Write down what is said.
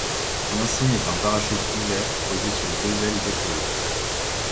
L'insigne est un parachute ouvert posé sur deux ailes déployées.